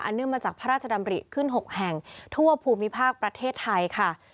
เนื่องมาจากพระราชดำริขึ้น๖แห่งทั่วภูมิภาคประเทศไทยค่ะ